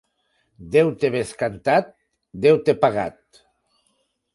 Deute bescantat, deute pagat.